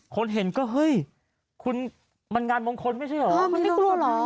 คนเห็นไม่อยากดูว่ามันมงคลไม่ใช่หรอ